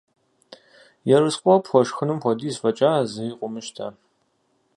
Ерыскъыуэ пхуэшхынум хуэдиз фӀэкӀа зэи къыумыщтэ.